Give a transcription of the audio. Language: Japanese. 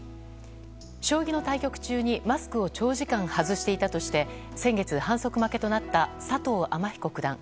将棋の対局中にマスクを長時間外していたとして先月、反則負けとなった佐藤天彦九段。